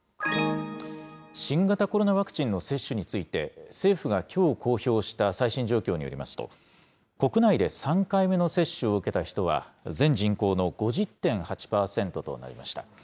新型コロナワクチンの接種について、政府がきょう公表した最新状況によりますと、国内で３回目の接種を受けた人は、全人口の５０．８％となりました。